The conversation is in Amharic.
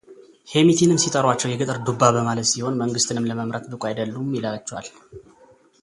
ሄምቲንም ሲጠሯቸው የገጠር ዱባ በማለት ሲሆን መንግሥትንም ለመምራት ብቁ አይደሉም ይሏቸዋል።